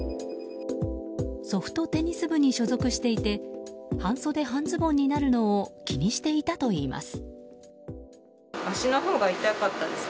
ソフトテニス部に所属していて半袖半ズボンになるのを気にしていたといいます。